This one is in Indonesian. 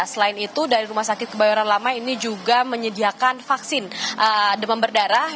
selain itu dari rumah sakit kebayoran lama ini juga menyediakan vaksin demam berdarah